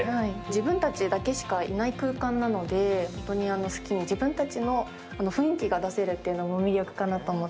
自分たちだけしかいない空間なので、本当に好きに自分たちの雰囲気が出せるっていうのが魅力かなと思っています。